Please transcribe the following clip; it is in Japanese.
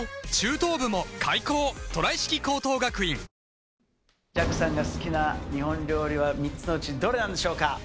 ニトリジャックさんが好きな日本料理は３つのうち、どれなんでしょうか。